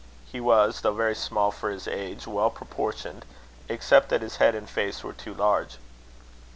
He was, though very small for his age, well proportioned, except that his head and face were too large.